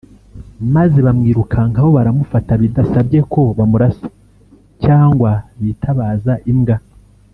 maze bamwirukankaho baramufata bidasabye ko bamurasa cyangwa bitabaza imbwa